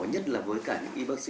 nhất là với cả những y bác sĩ